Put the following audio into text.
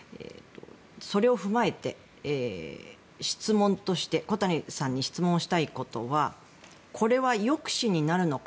それを踏まえて小谷さんに質問したいことはこれは抑止になるのか。